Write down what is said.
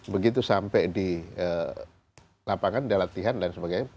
begitu sampai di lapangan dia latihan dan sebagainya